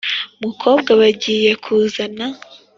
mukobwa bagiye kuzajya